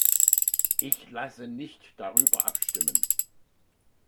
Ich lasse nicht darüber abstimmen.